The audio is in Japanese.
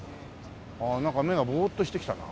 ああなんか目がボーッとしてきたな。